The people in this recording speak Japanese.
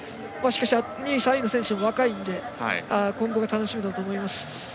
２位、３位の選手も若いので今後が楽しみだと思います。